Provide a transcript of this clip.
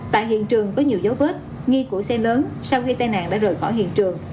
tại hiện trường có nhiều dấu vết nghi của xe lớn sau khi tai nạn đã rời khỏi hiện trường